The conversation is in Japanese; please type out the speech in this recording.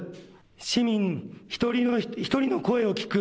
市民一人一人の声を聞く